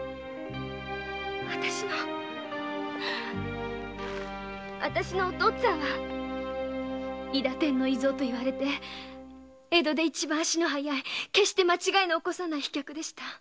あたしのあたしのお父っつぁんは韋駄天の伊蔵といわれて江戸で一番足の速い決して間違いをおこさない飛脚でした。